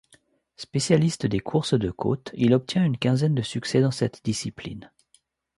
Spécialiste de courses de côte, il obtient une quinzaine de succès dans cette discipline.